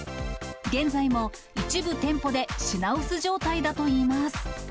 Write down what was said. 現在も一部店舗で品薄状態だといいます。